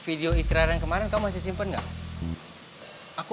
video ikraran kemarin kamu masih simpen gak